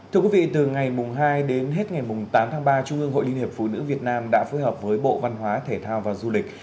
thưa quý vị từ ngày hai đến hết ngày tám tháng ba trung ương hội liên hiệp phụ nữ việt nam đã phối hợp với bộ văn hóa thể thao và du lịch